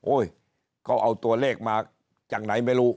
เขาเอาตัวเลขมาจากไหนไม่รู้